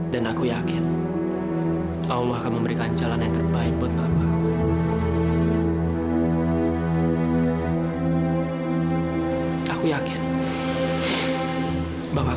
dan aku yakin allah akan memberikan jalan yang terbaik buat bapak